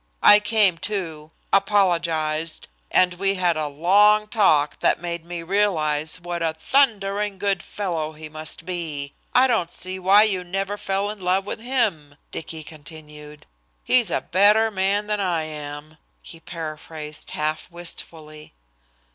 I came to, apologized, and we had a long talk that made me realize what a thundering good fellow he must be. "I don't see why you never fell in love with him," Dicky continued. "He's a better man than I am," he paraphrased half wistfully.